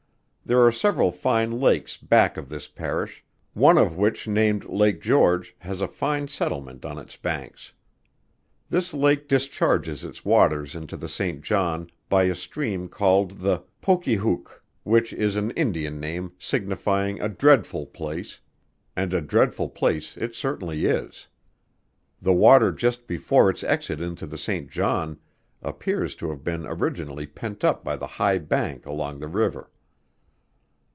There are several fine lakes back of this parish, one of which named Lake George, has a fine settlement on its banks. This lake discharges its waters into the St. John, by a stream called the Poquihouk, which is an Indian name, signifying a dreadful place, and a dreadful place it certainly is. The water just before its exit into the St. John, appears to have been originally pent up by the high bank along the river.